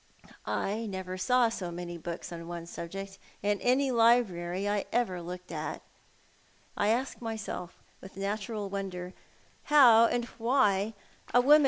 I never saw so many books upon one subject in any library I ever looked at. I ask myself, with natural wonder, how and why a woman For Paternal Perusal.